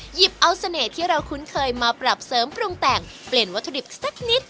หยิบเอาเสน่ห์ที่เราคุ้นเคยมาปรับเสริมปรุงแต่งเปลี่ยนวัตถุดิบสักนิด